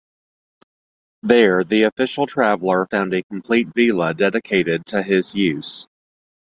There the official traveller found a complete "villa" dedicated to his use.